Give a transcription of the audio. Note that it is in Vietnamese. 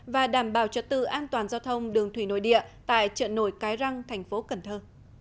và đảm bảo trật tự an toàn giao thông đường thủy nội địa tại chợ nổi cái răng thành phố cần thơ